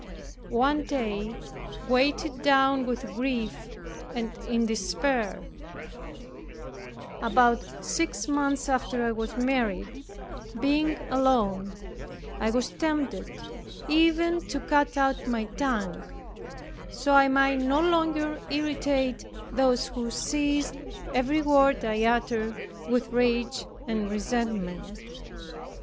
One day, weighed down with grief and in despair, about six months after I was married, being alone, I was tempted even to cut out my tongue so I might no longer irritate those who seized every word I uttered with rage and resentment.